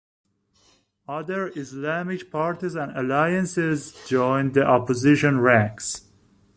Other Islamic parties and alliances joined the opposition ranks.